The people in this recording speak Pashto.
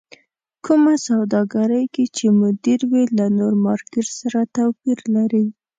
کومه سوداګرۍ کې چې مدير وي له نور مارکېټ سره توپير لري.